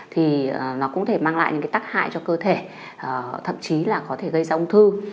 thì nó cũng có thể mang lại những tác hại cho cơ thể thậm chí là có thể gây ra ông thư